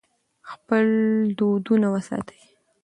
خپل دودونه وساتئ.